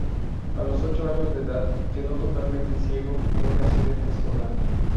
A los ocho años de edad, quedó totalmente ciego en un accidente escolar.